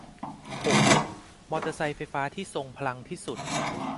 หก มอเตอร์ไซค์ไฟฟ้าที่ทรงพลังที่สุด